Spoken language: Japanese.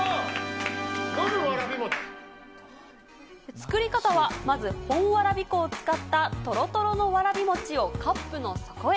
作り方は、まず本わらび粉を使ったとろとろのわらびもちをカップの底へ。